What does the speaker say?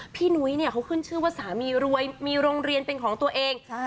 นุ้ยเนี่ยเขาขึ้นชื่อว่าสามีรวยมีโรงเรียนเป็นของตัวเอง